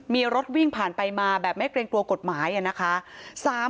มีรถวิ่งผ่านไปมาแบบไม่เกรงกลัวกฎหมายนะคะ